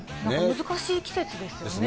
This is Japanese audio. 難しい季節ですよね。ですね。